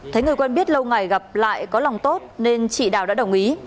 thấy người quen biết lâu ngày gặp lại có lòng tốt nên chị đào đã đồng ý